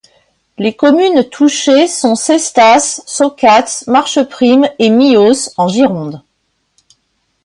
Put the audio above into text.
Les communes touchées sont Cestas, Saucats, Marcheprime et Mios, en Gironde.